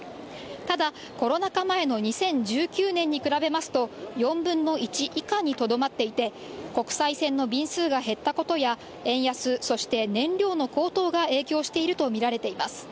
ただ、コロナ禍前の２０１９年に比べますと、４分の１以下にとどまっていて、国際線の便数が減ったことや、円安、そして燃料の高騰が影響していると見られています。